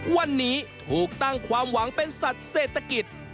วันนี้ถูกตั้งความหวังเป็นสัตว์เศรษฐกิจ